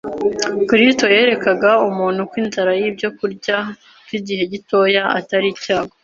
Kristo yerekaga umuntu ko inzara y’ibyo kurya by’igihe gitoya atari icyago